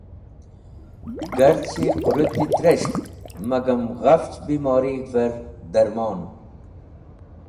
Garchi qũrũti tres̃p magam ghafch bimorig̃h’ver darmon.